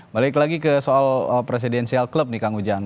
balik lagi ke soal presidensial club nih kang ujang